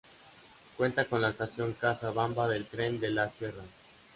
Cuenta con la estación Casa Bamba del Tren de las Sierras.